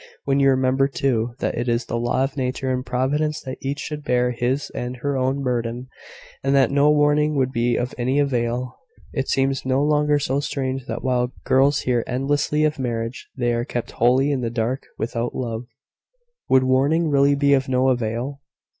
When you remember, too, that it is the law of nature and providence that each should bear his and her own burden, and that no warning would be of any avail, it seems no longer so strange that while girls hear endlessly of marriage, they are kept wholly in the dark about love." "Would warning really be of no avail?"